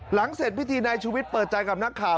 หลังเสร็จพิธีนายชูวิทย์เปิดใจกับนักข่าว